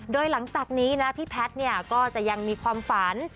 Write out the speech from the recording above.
โดยหลังจากนี้นะพี่แพทย์เนี่ยก็จะยังมีความฝัน